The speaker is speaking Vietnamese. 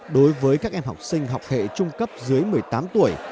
đối với các em học sinh học hệ trung cấp dưới một mươi tám tuổi